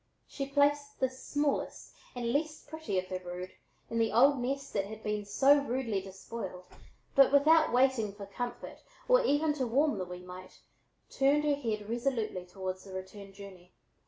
She placed this smallest and least pretty of her brood in the old nest that had been so rudely despoiled, but without waiting to comfort or even to warm the wee mite, turned her face resolutely toward the return journey.